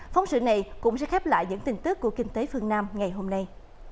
phóng sự này cũng sẽ khép lại những tin tức của kinh tế phương nam ngày hôm nay